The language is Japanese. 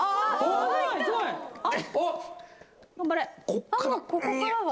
多分ここからは。